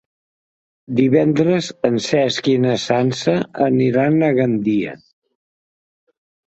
Divendres en Cesc i na Sança aniran a Gandia.